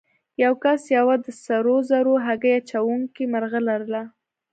یو کس یوه د سرو زرو هګۍ اچوونکې مرغۍ لرله.